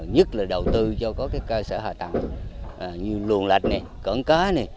nhất là đầu tư cho các cơ sở hạ tầng như luồn lạch cỡn cá